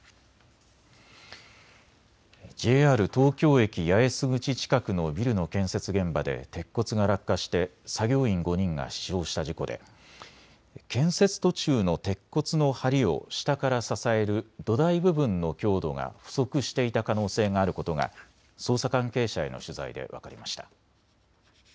ＪＲ東京駅八重洲口近くのビルの建設現場で鉄骨が落下して作業員５人が死亡した事故で建設途中の鉄骨のはりを下から支える土台部分の強度が不足していた可能性があることが捜査関係者への取材で分かりました。